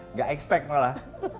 nggak expect malah